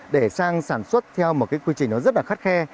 để sang sản xuất theo một cái quy trình nó rất là khắt khe